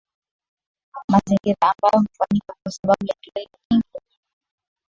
mazingira ambayo hufanyika kwa sababu ya kelele nyingi mijini